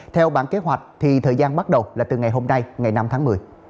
theo bản kế hoạch thì thời gian bắt đầu là từ ngày hôm nay ngày năm tháng một mươi